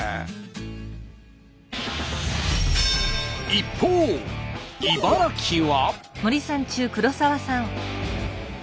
一方茨城は。